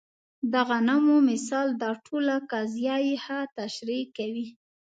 د غنمو مثال دا ټوله قضیه ښه تشریح کوي.